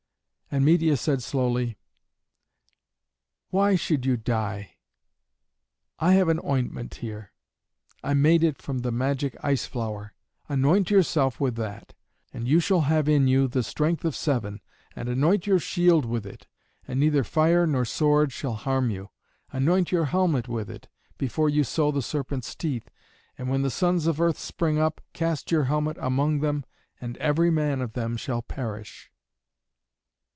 And Medeia said slowly, "Why should you die? I have an ointment here. I made it from the magic ice flower. Anoint yourself with that, and you shall have in you the strength of seven, and anoint your shield with it, and neither fire nor sword shall harm you. Anoint your helmet with it, before you sow the serpents' teeth, and when the sons of earth spring up, cast your helmet among them, and every man of them shall perish."